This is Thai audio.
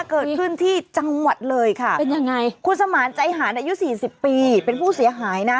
ขึ้นที่จังหวัดเลยค่ะคุณสมานใจหาในอายุ๔๐ปีเป็นผู้เสียหายนะ